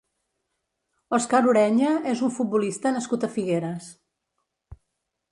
Oscar Ureña és un futbolista nascut a Figueres.